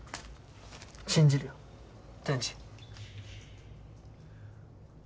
信じるよ天智。